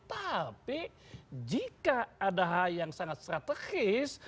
tapi jika ada hal yang sangat strategis